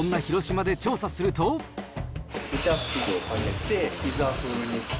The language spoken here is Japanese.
ケチャップをかけて、ピザ風にして。